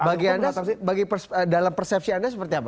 bagi anda dalam persepsi anda seperti apa